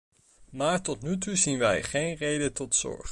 Maar tot nu toe zien wij geen reden tot zorg.